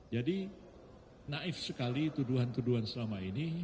jadi naif sekali tuduhan tuduhan selama ini